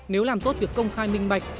nếu làm tốt việc công khai minh bạch